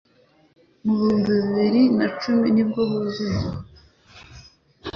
Mu mubihumbi bibiri na cumi nibwo huzuye